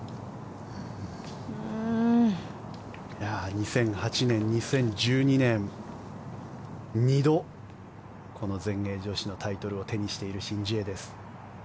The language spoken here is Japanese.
２００８年、２０１２年２度、この全英女子のタイトルを手にしているシン・ジエです。